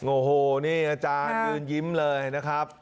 โอ้โหนี่อาจารย์ยืนยิ้มเลยนะครับ